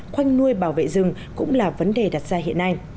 khoanh nuôi bảo vệ rừng cũng là vấn đề đặt ra hiện nay